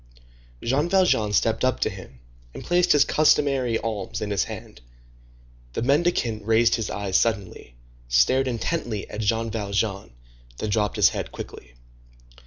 Jean Valjean stepped up to him and placed his customary alms in his hand. The mendicant raised his eyes suddenly, stared intently at Jean Valjean, then dropped his head quickly.